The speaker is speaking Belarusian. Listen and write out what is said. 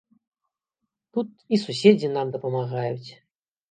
Тут і суседзі нам дапамагаюць.